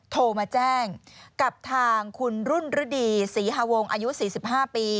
โทรมาแจ้งกับทางคุณรุ่นฤดีศรีฮาวงอายุ๔๕ปี